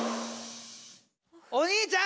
お兄ちゃん！